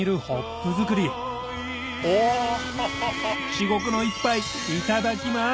至極の一杯いただきます！